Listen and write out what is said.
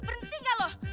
berhenti gak lu